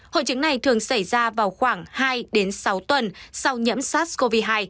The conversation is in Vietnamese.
hội chứng này thường xảy ra vào khoảng hai sáu tuần sau nhẫm sars cov hai